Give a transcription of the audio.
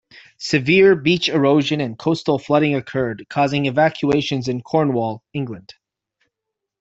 Severe beach erosion and coastal flooding occurred, causing evacuations in Cornwall, England.